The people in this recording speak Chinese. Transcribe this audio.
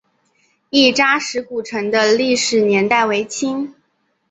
亦扎石古城的历史年代为清。